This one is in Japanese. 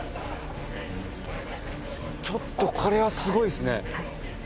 ちょっとこれはすごいですね